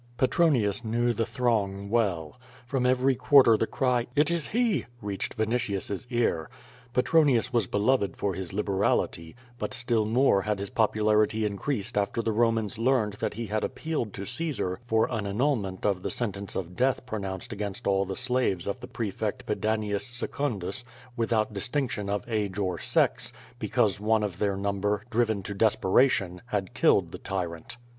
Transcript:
Petronius knew the throng well. From every quarter the cry: "It is he,'' reached Vinitius's ear. Petronius was beloved for his liberality; but still more had his popularity increased after the Bomans learned that he had appealed to Caesar for an annulment of the sentence of death pronounced against all the slaves of the prefect Pedanius Secundus, without distinction of age or sex, because one of their num ber, driven to desperation, had killed the tyrant.